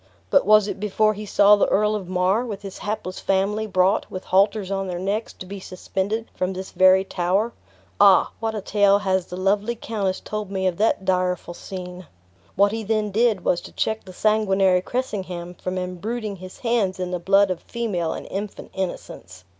"But was it before he saw the Earl of Mar, with his hapless family, brought, with halters on their necks, to be suspended from this very tower? Ah! what a tale has the lovely countess told me of that direful scene! What he then did was to check the sanguinary Cressingham from imbruiting his hands in the blood of female and infant innocence."